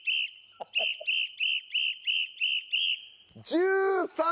１３！